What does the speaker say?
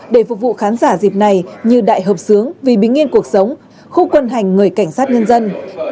để phục vụ khán giả dịp này như đại hợp sướng vì bình yên cuộc sống khu quân hành người cảnh sát nhân dân